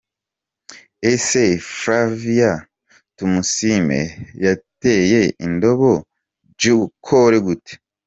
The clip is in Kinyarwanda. Ese Flavia Tumusiime yateye indobo J Cole gute? .